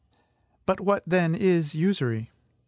But what, then, is usury?